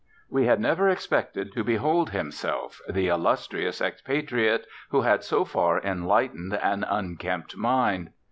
We had never expected to behold himself, the illustrious expatriate who had so far enlightened an unkempt mind.